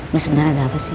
lo sebenernya ada apa sih